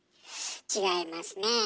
違いますねえ。